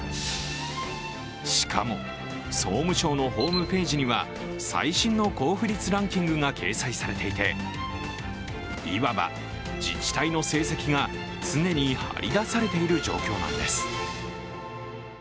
しかも、総務省のホームページには最新の交付率ランキングが掲載されていていわば、自治体の成績が常に張り出されている状況なんです。